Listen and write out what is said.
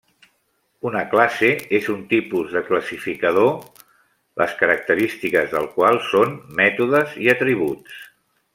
Una classe és un tipus de classificador les característiques del qual són mètodes i atributs.